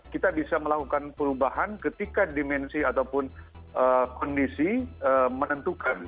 kita bisa melakukan perubahan ketika dimensi ataupun kondisi menentukan